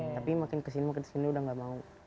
tapi makin kesini makin kesini udah gak mau